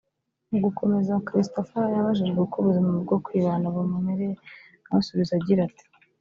mugukomeza Christopher yabajijwe uko ubuzima bwo kwibana bumumereye nawe asubiza agira ati